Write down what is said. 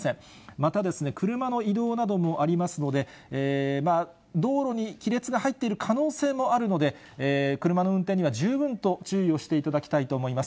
また車の移動などもありますので、道路に亀裂が入っている可能性もあるので、車の運転には十分と注意をしていただきたいと思います。